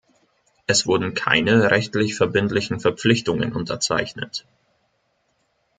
Es wurden keine rechtlich verbindlichen Verpflichtungen unterzeichnet.